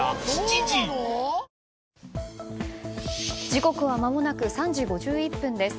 時刻はまもなく３時５１分です。